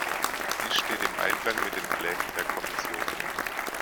Dies steht im Einklang mit den Plänen der Kommission.